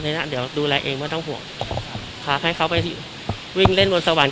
ในนั้นเดี๋ยวดูแลเองไม่ต้องห่วงพาให้เขาไปวิ่งเล่นบนสวรรค์